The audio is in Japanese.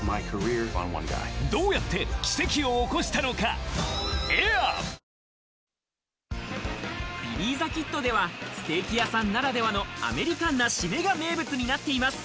新「グリーンズフリー」ビリー・ザ・キッドではステーキ屋さんならではのアメリカンな締めが名物になっています。